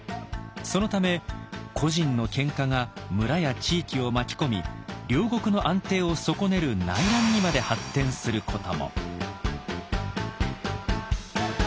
そのため個人の喧嘩が村や地域を巻き込み領国の安定を損ねる内乱にまで発展することも。